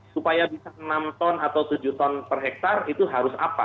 supaya bisa enam ton atau tujuh ton per hektar itu harus apa